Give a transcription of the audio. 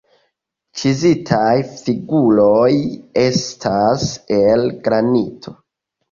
Ĉizitaj figuroj estas el granito.